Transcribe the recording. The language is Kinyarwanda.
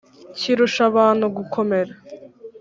Kirusha Abantu Gukomera